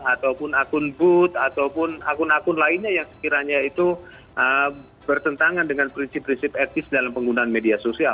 ataupun akun booth ataupun akun akun lainnya yang sekiranya itu bertentangan dengan prinsip prinsip etis dalam penggunaan media sosial